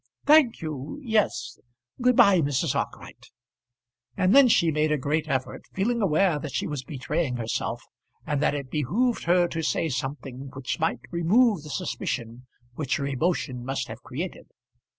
"Thank you, yes; good bye, Mrs. Arkwright." And then she made a great effort, feeling aware that she was betraying herself, and that it behoved her to say something which might remove the suspicion which her emotion must have created.